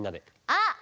あっ！